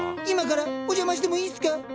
今からお邪魔してもいいっすか？